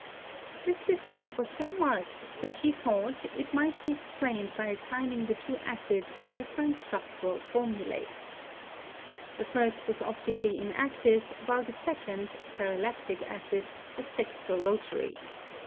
This difference was so marked that he thought it might be explained by assigning the two acids different structural 248 CHEMISTRY formulae. The first was optically inactive, while the sec ond (paralactic acid) was dextro rotary.